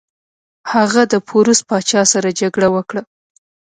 هغه د پوروس پاچا سره جګړه وکړه.